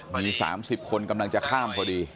มี๓๐คนกำลังจะข้ามพอดี